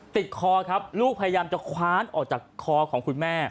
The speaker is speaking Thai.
คอครับลูกพยายามจะคว้านออกจากคอของคุณแม่